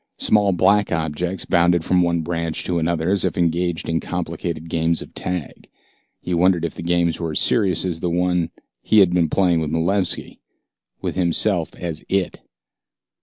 Small black objects bounded from one branch to another as if engaged in complicated games of tag. He wondered if the games were as serious as the one he had been playing with Malevski, with himself as It.